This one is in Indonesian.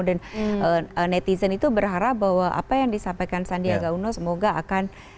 dan netizen itu berharap bahwa apa yang disampaikan sandi agak uno semoga akan